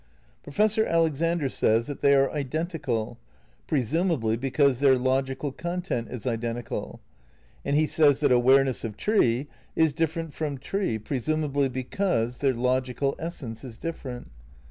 Professor Alex ander says that they are identical, presumably because their logical content is identical; and he says that awareness of tree is different from tree presumably be cause their logical essence is different.